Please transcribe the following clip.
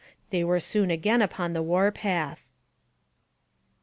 They were soon again upon the war path.